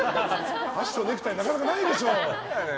箸とネクタイなかなかないでしょ。